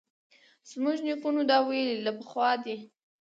زموږ نیکونو دا ویلي له پخوا دي